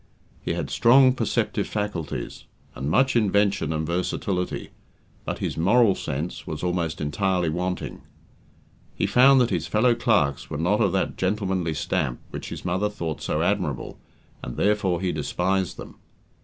He had strong perceptive faculties, and much invention and versatility, but his "moral sense" was almost entirely wanting. He found that his fellow clerks were not of that "gentlemanly" stamp which his mother thought so admirable, and therefore he despised them.